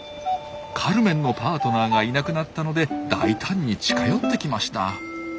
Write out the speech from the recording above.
カルメンのパートナーがいなくなったので大胆に近寄ってきました。